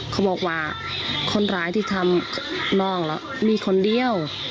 เขาบอกว่าคนร้ายที่ทำน้องมีคนเดียว